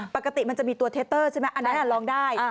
ปกติมันจะมีตัวเทตเตอร์ใช่ไหมอันนั้นลองได้